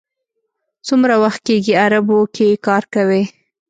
څومره وخت کېږي عربو کې کار کوئ.